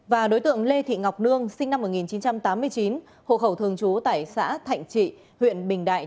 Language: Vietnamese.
và đối tượng lê thị ngọc nương sinh năm một nghìn chín trăm tám mươi chín hộ khẩu thường trú tại xã thạnh trị